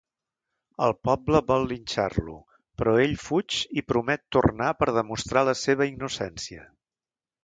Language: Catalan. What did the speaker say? El poble vol linxar-lo, però ell fuig i promet tornar per demostrar la seva innocència.